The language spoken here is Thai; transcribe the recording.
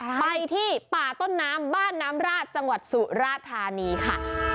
ไปที่ป่าต้นน้ำบ้านน้ำราชจังหวัดสุราธานีค่ะ